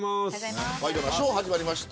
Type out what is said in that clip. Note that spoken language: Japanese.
ワイドナショー始まりました。